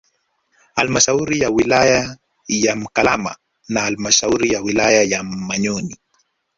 Halmashauri ya wilaya ya Mkalama na halmashauri ya wilaya ya Manyoni